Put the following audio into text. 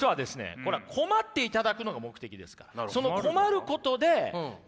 これは困っていただくのが目的ですから。